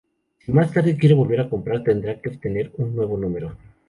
Si más tarde quiere volver a comprar, tendrá que obtener un nuevo número.